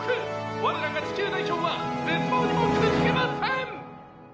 「我らが地球代表は絶望にもくじけません！」